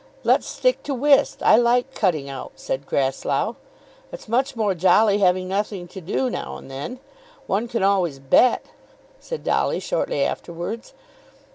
"Let's stick to whist; I like cutting out," said Grasslough. "It's much more jolly having nothing to do now and then; one can always bet," said Dolly shortly afterwards.